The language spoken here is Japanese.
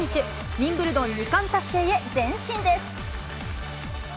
ウィンブルドン２冠達成へ、前進です。